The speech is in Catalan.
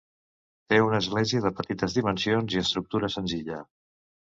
Té una església de petites dimensions i estructura senzilla.